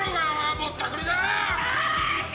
ぼったくりだよ！